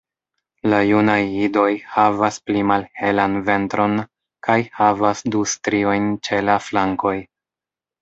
La junaj idoj havas pli malhelan ventron kaj havas du striojn ĉe la flankoj.